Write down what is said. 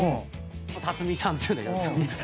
辰巳さんっていうんだけど。